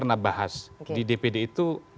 kalau jabatan presiden tiga periode kami pernah bahas